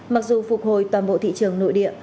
mặc dù phục hồi toàn bộ thị trường nội địa